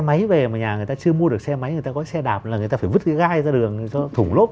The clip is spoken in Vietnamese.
máy về mà nhà người ta chưa mua được xe máy người ta có xe đạp là người ta phải vứt cái gai ra đường cho thủng lốp